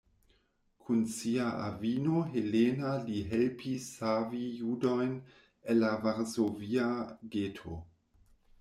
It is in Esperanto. Kun sia avino Helena li helpis savi judojn el la Varsovia geto.